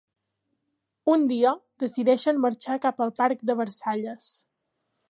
Un dia, decideixen marxar cap al parc de Versalles.